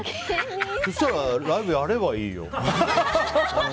そうしたらライブやればいいよ。